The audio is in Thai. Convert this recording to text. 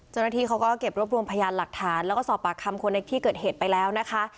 เจ้าหน้าที่เขาก็เก็บรวบรวมพยานหลักฐานแล้วก็สอบปากคำคนในที่เกิดเหตุไปแล้วนะคะ